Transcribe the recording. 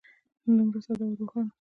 دومره ساده او روښانه.